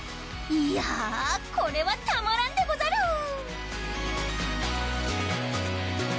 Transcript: いやこれはたまらんでござる。